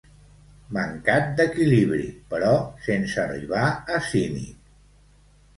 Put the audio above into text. Mancat d'equilibri, però sense arribar a cínic.